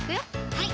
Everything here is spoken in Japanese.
はい